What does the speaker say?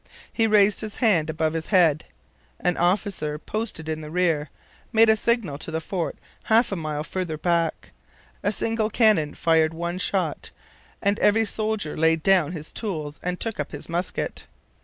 He raised his hand above his head. An officer, posted in the rear, made a signal to the fort half a mile farther back. A single cannon fired one shot; and every soldier laid down his tools and took up his musket.